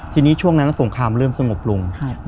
ทีนี้ช่วงนั้นสงครามเริ่มสงบลง